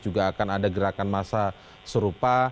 juga akan ada gerakan masa serupa